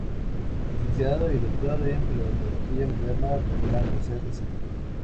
Licenciado y doctor en Filología Moderna por la Universidad de Sevilla.